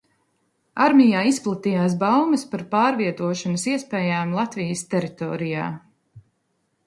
Armijā izplatījās baumas par pārvietošanas iespējām Latvijas teritorijā.